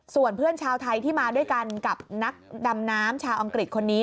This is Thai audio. ส่วนเพื่อนชาวไทยที่มาด้วยกันกับนักดำน้ำชาวอังกฤษคนนี้